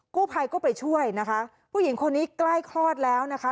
กู้ภัยก็ไปช่วยนะคะผู้หญิงคนนี้ใกล้คลอดแล้วนะคะ